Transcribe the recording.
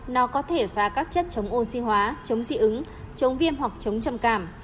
nó có thể phá các chất chống oxy hóa chống dị ứng chống viêm hoặc chống trầm cảm